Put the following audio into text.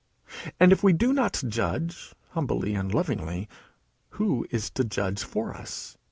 And if we do not judge humbly and lovingly who is to judge for us?